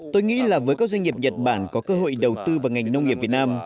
tôi nghĩ là với các doanh nghiệp nhật bản có cơ hội đầu tư vào ngành nông nghiệp việt nam